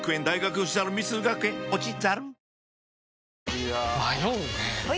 いや迷うねはい！